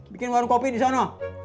bikin warung kopi di sana